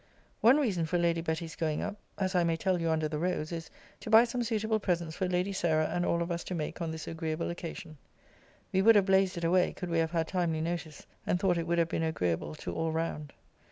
One reason for Lady Betty's going up, as I may tell you under the rose, is, to buy some suitable presents for Lady Sarah and all of us to make on this agreeable occasion. We would have blazed it away, could we have had timely notice, and thought it would have been agreeable to all round.